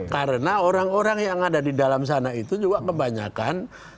karena orang orang yang ada di dalam sana itu juga kebanyakan